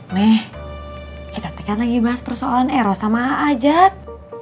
nih kita tuh kan lagi bahas persoalan eros sama a'ajat